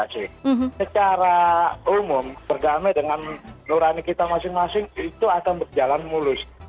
secara umum berdamai dengan nurani kita masing masing itu akan berjalan mulus